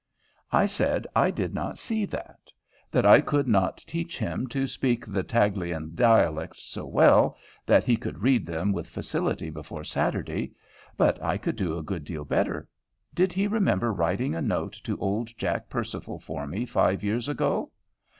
I said I did not see that. That I could not teach him to speak the Taghalian dialects so well, that he could read them with facility before Saturday. But I could do a good deal better. Did he remember writing a note to old Jack Percival for me five years ago?